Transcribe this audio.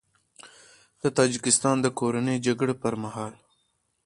د تاجیکستان د کورنۍ جګړې پر مهال